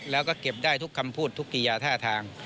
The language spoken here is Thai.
แล้วก็เก็บได้ทุกคำพูดทุกกิยาท่าทาง